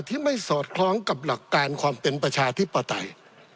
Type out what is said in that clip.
ที่ไม่สอดคล้องกับหลักการความเป็นประชาธิปไตย